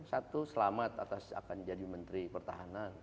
satu selamat atas akan jadi menteri pertahanan